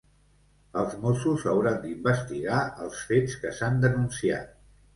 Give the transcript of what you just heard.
Els Mossos hauran d'investigar els fets que s'han denunciat.